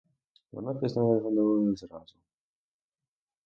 Вона пізнала його не зразу.